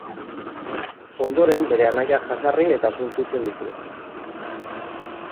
Ondoren, bere anaiak jazarri eta suntsitzen ditu.